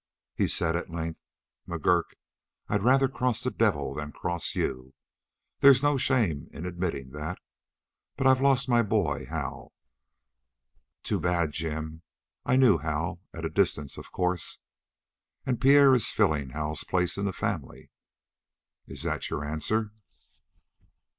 He said at length: "McGurk, I'd rather cross the devil than cross you. There's no shame in admitting that. But I've lost my boy, Hal." "Too bad, Jim. I knew Hal; at a distance, of course." "And Pierre is filling Hal's place in the family." "Is that your answer?"